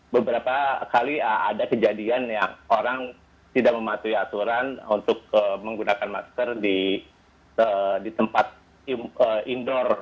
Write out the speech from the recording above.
beberapa kali ada kejadian yang orang tidak mematuhi aturan untuk menggunakan masker di tempat indoor